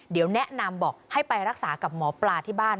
เดี๋ยวแนะนำบอกให้ไปรักษากับหมอปลาที่บ้าน